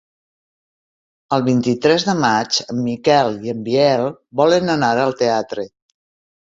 El vint-i-tres de maig en Miquel i en Biel volen anar al teatre.